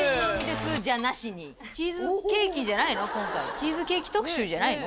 チーズケーキ特集じゃないの？